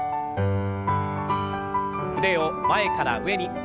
腕を前から上に。